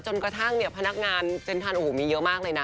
จนกระทั่งเนี่ยพนักงานเซ็นทันโอ้โหมีเยอะมากเลยนะ